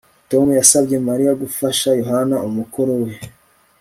Tom yasabye Mariya gufasha Yohana umukoro we